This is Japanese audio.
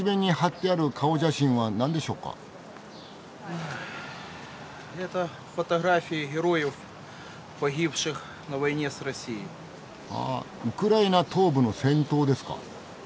あウクライナ東部の戦闘ですか？